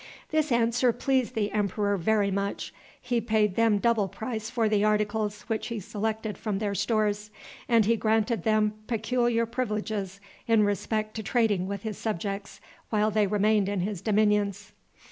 This answer pleased the emperor very much. He paid them double price for the articles which he selected from their stores, and he granted them peculiar privileges in respect to trading with his subjects while they remained in his dominions.